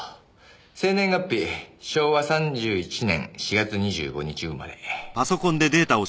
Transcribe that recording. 生年月日昭和３１年４月２５日生まれ。